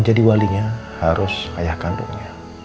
jadi walinya harus ayah kandungnya